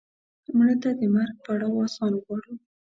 مړه ته د مرګ پړاو آسان غواړو